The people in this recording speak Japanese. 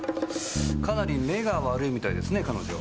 かなり目が悪いみたいですね彼女。